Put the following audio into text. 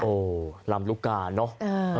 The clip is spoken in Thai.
โอ้โหลำลูกกาเนอะ